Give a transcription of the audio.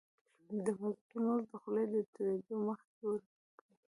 د مزدور مزد د خولي د تويدو مخکي ورکړی.